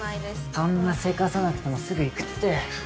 そんなせかさなくてもすぐ行くって。